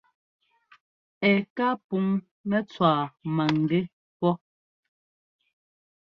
Ɛ ká puŋ nɛ́ tswá maŋgɛ́ pɔ́.